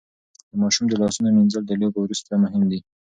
د ماشوم د لاسونو مينځل د لوبو وروسته مهم دي.